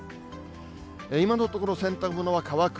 今のところ、洗濯物は乾く。